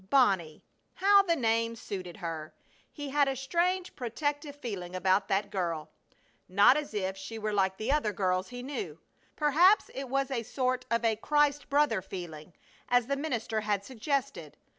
Bonnie! How the name suited her! He had a strange protective feeling about that girl, not as if she were like the other girls he knew; perhaps it was a sort of a "Christ brother" feeling, as the minister had suggested.